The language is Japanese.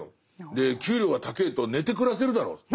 で給料が高ぇと寝て暮らせるだろって。